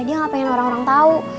dia gak pengen orang orang tahu